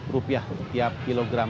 rupiah tiap kilogram